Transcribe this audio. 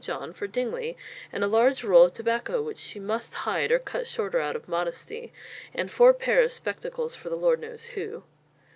John for Dingley, and a large roll of tobacco which she must hide or cut shorter out of modesty, and four pair of spectacles for the Lord knows who."